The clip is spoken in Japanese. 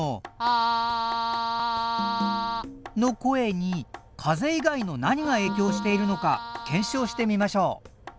あぁあぁ！の声に風以外の何がえいきょうしているのか検証してみましょう。